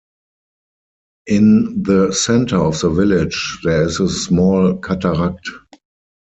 In the center of the village there is a small cataract.